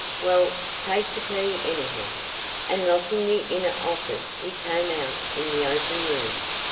"Well, take the key anyhow," and locking the inner office he came out in the open room.